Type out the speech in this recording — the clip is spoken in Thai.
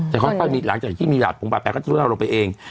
หลังจากที่มีหลาดผงปากแปลกก็ทุเลาลงไปเอง